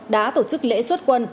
đã tổ chức lễ xuất quân